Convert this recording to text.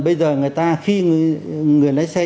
bây giờ người ta khi người lái xe